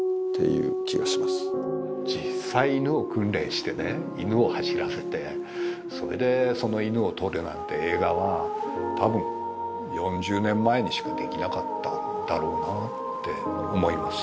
実際犬を訓練してね犬を走らせてそれでその犬を撮るなんて映画はたぶん４０年前にしかできなかっただろうなと思います。